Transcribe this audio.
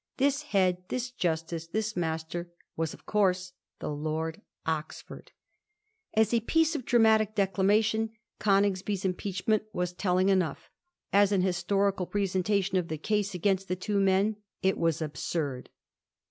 This head, this justice, this master, was, of course, the Lord Oxford. As a piece of dramatic declamation Coningsby's impeachment was tellings enough ; as an historical presentation of the case against the two men it was absurd.